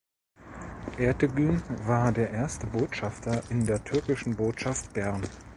Ertegün war der erste Botschafter in der Türkischen Botschaft Bern.